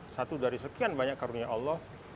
satu dari sekian banyak karunia allah